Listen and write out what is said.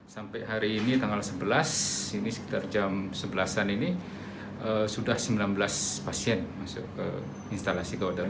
sampai hari ini tanggal sebelas ini sekitar jam sebelas an ini sudah sembilan belas pasien masuk ke instalasi kawasan